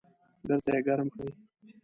بیرته یې ګرم کړئ